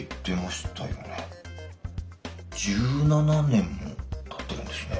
１７年もたってるんですね。